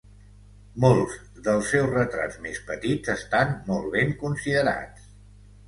Molts dels seus retrats més petits estan molt ben considerats.